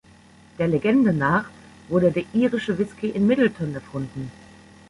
Der Legende nach wurde der irische Whiskey in Midleton erfunden.